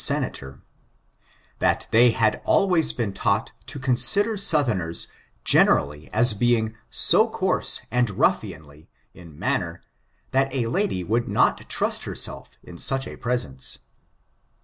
463 Senator; tbat they had always been taught to consider Soutbemers generally as being so coarse and ruffianly in manner tbat a lady woiild not tnist herself in such a presence.